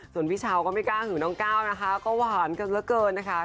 ส่วนพี่เช้าก็ไม่กล้าหิวน้องก้าวนะคะก็หวานกันเหลือเกินนะคะ